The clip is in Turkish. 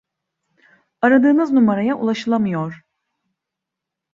Aradığınız numaraya ulaşılamıyor.